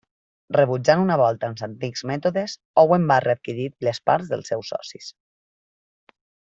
Rebutjant una volta als antics mètodes, Owen va readquirir les parts dels seus socis.